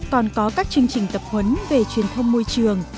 còn có các chương trình tập huấn về truyền thông môi trường